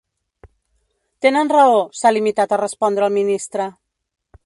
Tenen raó, s’ha limitat a respondre el ministre.